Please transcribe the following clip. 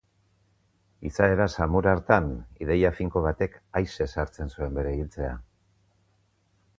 Izaera samur hartan, ideia finko batek aise sartzen zuen bere iltzea.